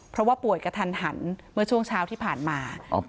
เพราะว่าป่วยกระทันหันเมื่อช่วงเช้าที่ผ่านมา